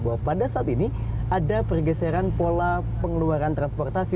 bahwa pada saat ini ada pergeseran pola pengeluaran transportasi